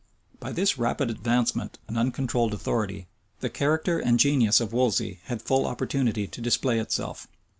By this rapid advancement and uncontrolled authority, the character and genius of Wolsey had full opportunity to display itself.